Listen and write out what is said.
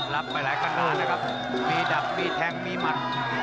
รับไปหลายคะแนนนะครับมีดับมีแทงมีหมัด